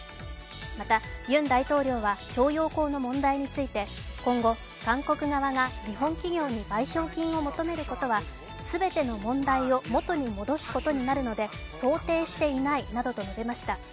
また、ユン大統領は徴用工の問題について、今後、韓国側が日本企業に賠償金を求めることは全ての問題を元に戻すことになるので想定していないなどと述べました。